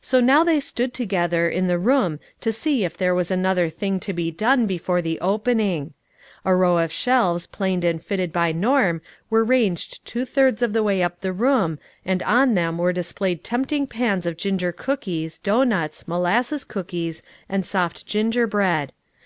So now they stood together in the room to see if there was another thing to be done before THE NEW ENTEBPBISE. 373 the opening. A row of shelves planed and fitted by Norm were ranged two thirds of the way up the room and on them were displayed tempting pans of ginger cookies, doughnuts, molasses cookies, and soft gingerbread.